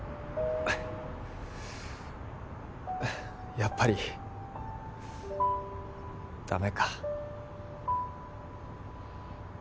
やっぱりダメか。